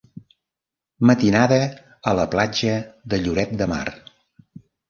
Matinada a la platja de Lloret de Mar.